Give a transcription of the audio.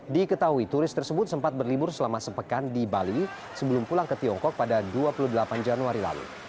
diketahui turis tersebut sempat berlibur selama sepekan di bali sebelum pulang ke tiongkok pada dua puluh delapan januari lalu